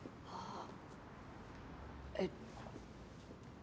えっ。